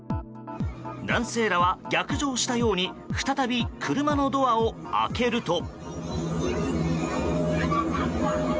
男性らは逆上したように再び車のドアを開けると。